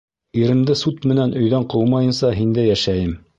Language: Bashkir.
Иремде суд менән өйҙән ҡыумайынса һиндә йәшәйем!..